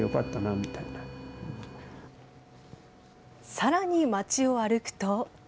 さらに町を歩くと。